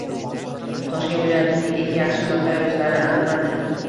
Toshkent viloyatining eng yaxshi notariuslari aniqlandi